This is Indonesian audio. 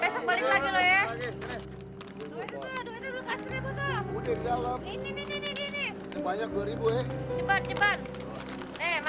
srip dua ribu